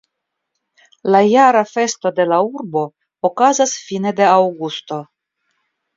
La jara festo de la urbo okazas fine de aŭgusto.